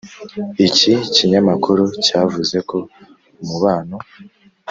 iki kinyamakuru cyavuze ko umubano